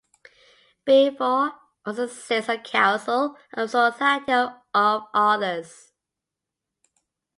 Beevor also sits on the Council of the Society of Authors.